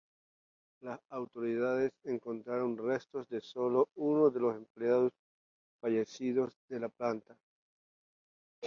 Las autoridades encontraron restos de sólo uno de los empleados fallecidos de la planta.